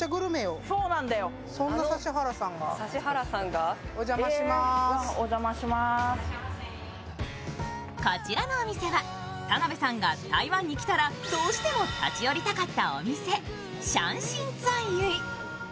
引き続き永康街を散策しているとこちらのお店は、田辺さんが台湾に来たらどうしても立ち寄りたかったお店シャンシンツァンユィ。